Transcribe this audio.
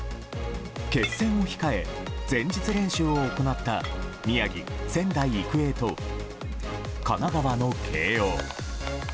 決戦を控え、前日練習を行った宮城・仙台育英と神奈川の慶應。